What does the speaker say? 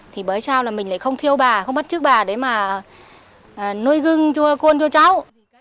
thì bởi sao là mình lại không thiêu bà không mất trước bà để mà nuôi gưng cho con cho cháu